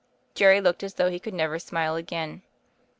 Jerry looked as though he could never smile again.